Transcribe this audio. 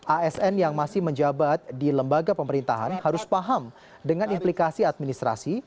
asn yang masih menjabat di lembaga pemerintahan harus paham dengan implikasi administrasi